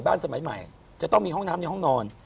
สมัยใหม่จะต้องมีห้องน้ำในห้องนอน